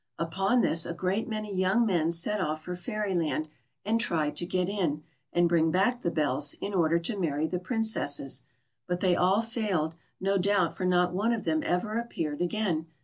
Upon this, a great many young men set off for Fairyland, and tried to get in, and bring back the bells, in order to marry the Princesses; but they all failed, no doubt, for not one of them ever appeared again.